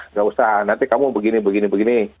tidak usah nanti kamu begini begini begini